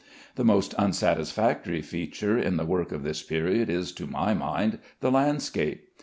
The most unsatisfactory feature in the work of this period is, to my mind, the landscape.